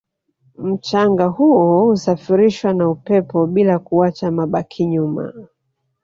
mchanga huo husafirishwa na upepo bila kuacha mabaki nyuma